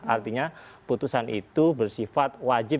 artinya putusan itu bersifat wajib